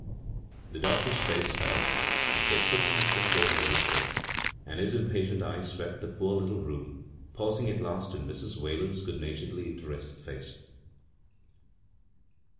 The doctor's face fell. His foot tapped the floor nervously, and his impatient eyes swept the poor little room, pausing at last on Mrs. Whalen's good naturedly interested face.